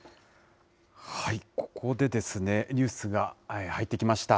ここでニュースが入ってきました。